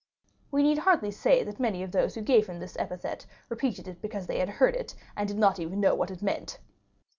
We need hardly say that many of those who gave him this epithet repeated it because they had heard it, and did not even know what it meant.